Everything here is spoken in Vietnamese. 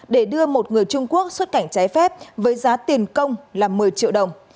để đưa một người trung quốc xuất cảnh trái phép với giá tiền công là một mươi triệu đồng